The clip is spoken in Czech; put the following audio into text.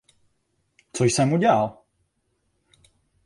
Co jsem udělal: